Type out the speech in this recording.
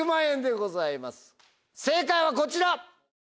正解はこちら！